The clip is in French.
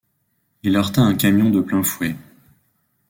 Il heurta un camion de plein fouet.